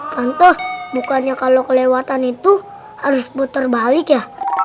tante bukannya kalo kelewatan itu harus puter balik ya